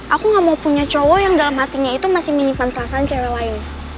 aku gak mau punya cowok yang dalam hatinya itu masih menyimpan perasaan cewek lain